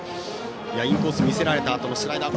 インコースを見せられたあとのスライダー